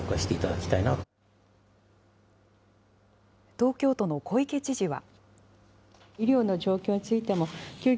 東京都の小池知事は。